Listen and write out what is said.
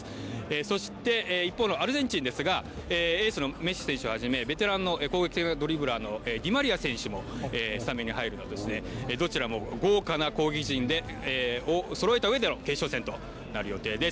そして、一方のアルゼンチンですが、エースのメッシ選手をはじめ、ベテランのドリブラーのディマリア選手もスタメンに入るなどどちらも豪華な攻撃陣でそろえた上での決勝戦となる予定です。